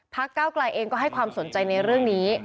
ก้าวกลายเองก็ให้ความสนใจในเรื่องนี้